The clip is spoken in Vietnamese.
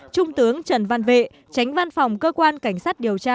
trung tướng trần văn vệ tránh văn phòng cơ quan cảnh sát điều tra